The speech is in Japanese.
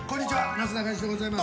なすなかにしでございます。